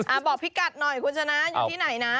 บอกพี่กัดหน่อยคุณชนะอยู่ที่ไหนนะ